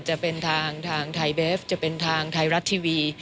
จะเป็นทางทางไทยเบฟจะเป็นทางไทยรัฐทีวี